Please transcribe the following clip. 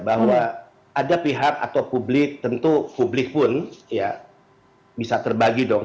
bahwa ada pihak atau publik tentu publik pun ya bisa terbagi dong